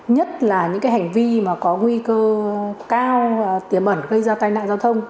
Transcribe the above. nhất là những hành vi có nguy cơ cao tiềm ẩn gây ra tai nạn giao thông